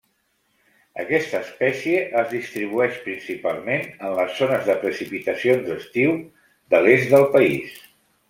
Aquesta espècie es distribueix principalment en les zones de precipitacions d'estiu de l'est del país.